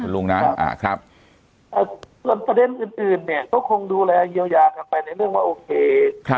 ลุงนะส่วนประเด็นอื่นเนี่ยก็คงดูแลเยียวยากันไปในเรื่องว่าโอเค